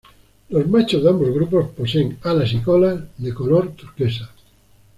Los machos de ambos grupos poseen alas y cola de color turquesa.